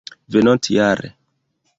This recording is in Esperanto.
venontjare